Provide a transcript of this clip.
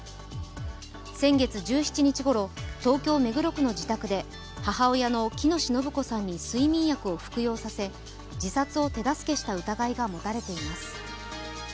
先月１７日ごろ、東京・目黒区の自宅で母親の喜熨斗延子さんに睡眠薬を服用させ自殺を手助けした疑いが持たれています。